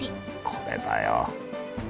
これだよ。